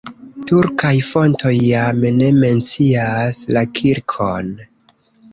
Turkaj fontoj jam ne mencias la kirkon.